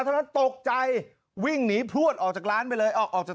เท่านั้นตกใจวิ่งหนีพลวดออกจากร้านไปเลยออกออกจาก